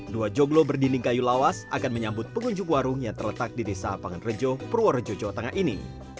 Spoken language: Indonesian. dua joglo berdinding kayu lawas akan menyambut pengunjung warung yang terletak di desa apangan rejo purworejo jawa tengah ini